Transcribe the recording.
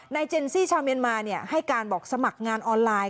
เจนซี่ชาวเมียนมาให้การบอกสมัครงานออนไลน์